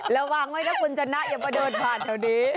ระวังไว้นะคุณชนะอย่ามาเดินผ่านแถวนี้